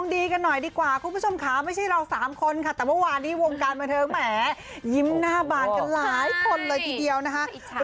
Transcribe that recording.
ดีกันหน่อยดีกว่าคุณผู้ชมค่ะไม่ใช่เราสามคนค่ะแต่เมื่อวานนี้วงการบันเทิงแหมยิ้มหน้าบานกันหลายคนเลยทีเดียวนะคะ